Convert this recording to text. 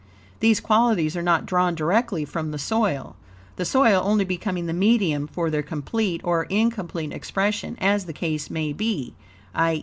THESE QUALITIES ARE NOT DRAWN DIRECTLY FROM THE SOIL; the soil only becoming the medium for their complete or incomplete expression, as the case may be; i.